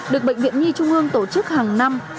được bệnh viện nhi trung ương tổ chức hàng năm